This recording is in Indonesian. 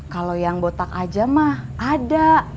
kalau yang botak aja mah ada